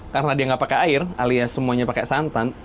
karena dia nggak pakai air alias semuanya pakai santan